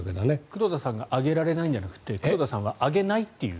黒田さんが上げられないんじゃなくて黒田さんが上げないという。